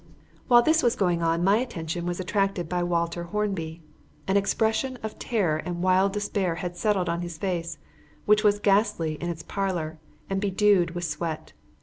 While this was going on my attention was attracted by Walter Hornby. An expression of terror and wild despair had settled on his face, which was ghastly in its pallor and bedewed with sweat.